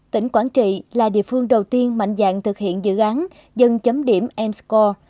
tỉnh quảng trị là địa phương đầu tiên mạnh dạng thực hiện dự án dân chấm điểm m score